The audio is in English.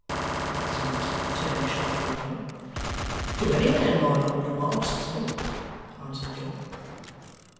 cried his master, turning sharply upon him. 'To any man, my lord, who asks me,' answered John.